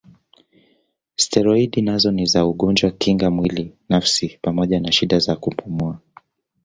Steroidi nazo ni za ugonjwa kinga mwili nafsi pamoja na shida za kupumua.